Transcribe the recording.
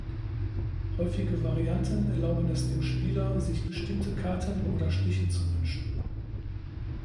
Häufige Varianten erlauben es dem Spieler, sich bestimmte Karten oder Stiche zu wünschen.